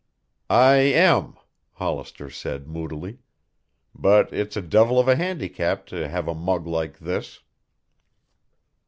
"I am," Hollister said moodily. "But it's a devil of a handicap to have a mug like this."